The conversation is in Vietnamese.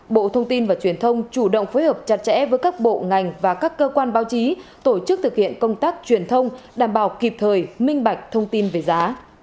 bộ thông tin và truyền thông chủ động phối hợp chặt chẽ với các bộ ngành và các cơ quan báo chí tổ chức thực hiện công tác truyền thông đảm bảo kịp thời minh bạch thông tin về giá